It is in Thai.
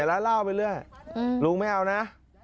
หลวงไม่เอานะ